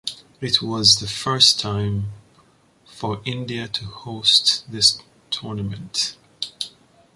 It was the first time for India to host this tournament.